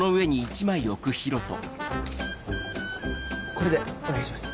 これでお願いします。